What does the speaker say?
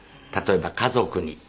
例えば家族に。